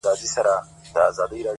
وخت د ژوند نه بدلیدونکې شتمني ده!